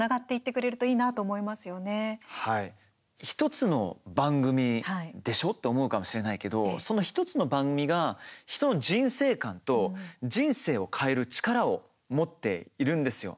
１つの番組でしょって思うかもしれないけどその１つの番組が人の人生観と人生を変える力を持っているんですよ。